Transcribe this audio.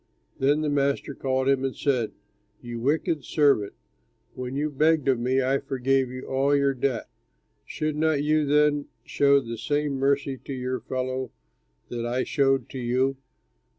Then the master called him and said, 'You wicked servant! When you begged of me, I forgave you all your debt. Should you not then show the same mercy to your fellow that I showed to you?'